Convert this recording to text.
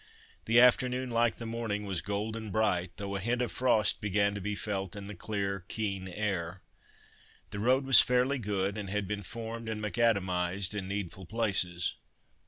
The afternoon, like the morning, was golden bright, though a hint of frost began to be felt in the clear keen air. The road was fairly good, and had been formed and macadamised in needful places.